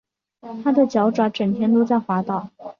它的脚爪整天都在滑倒